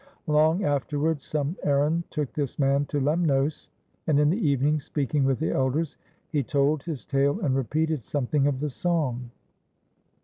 Long afterwards some er rand took this man to Lemnos, and in the evening, speak ing with the Elders, he told his tale and repeated some thing of the song.